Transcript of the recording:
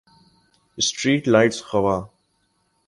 street lights خوا